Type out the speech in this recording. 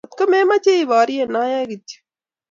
Atkomemoche iborye, ayae kityo